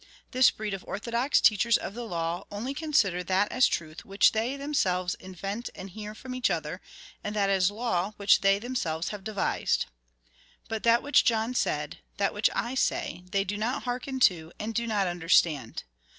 This breed of orthodox teachers of the law only consider that as truth which they themselves invent and hear from each other, and that as law which they themselves have devised. But that which John said, that which I say, they do not hearken to, and do not understand.